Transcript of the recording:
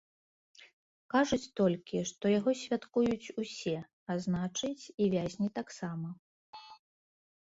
Кажуць толькі, што яго святкуюць усе, а значыць, і вязні таксама.